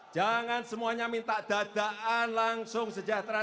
jangan semuanya minta dadaan langsung sejahtera